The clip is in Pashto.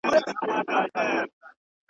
درست پښتون چي سره یو سي له اټک تر کندهاره.